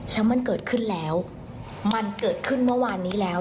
แล้วมันเกิดขึ้นแล้วมันเกิดขึ้นเมื่อวานนี้แล้ว